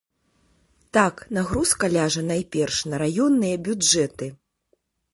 Так, нагрузка ляжа найперш на раённыя бюджэты.